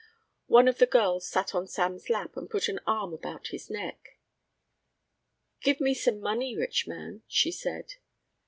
One of the girls sat on Sam's lap and put an arm about his neck. "Give me some money, rich man," she said.